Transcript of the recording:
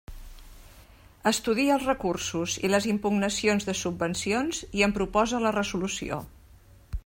Estudia els recursos i les impugnacions de subvencions i en proposa la resolució.